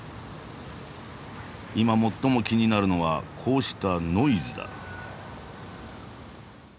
今最も気になるのはこうしたノイズだ。